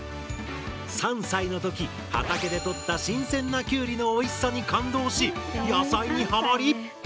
３歳の時畑で穫った新鮮なキュウリのおいしさに感動し野菜にハマり。